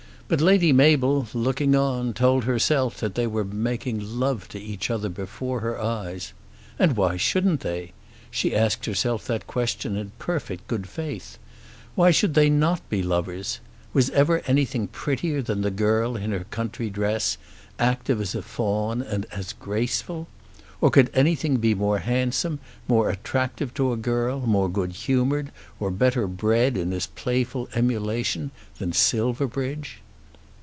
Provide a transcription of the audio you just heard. But Lady Mabel, looking on, told herself that they were making love to each other before her eyes. And why shouldn't they? She asked herself that question in perfect good faith. Why should they not be lovers? Was ever anything prettier than the girl in her country dress, active as a fawn and as graceful? Or could anything be more handsome, more attractive to a girl, more good humoured, or better bred in his playful emulation than Silverbridge?